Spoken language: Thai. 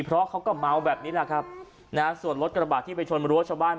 เพราะเขาก็เมาแบบนี้แหละครับนะฮะส่วนลดกระบาดที่ไปชน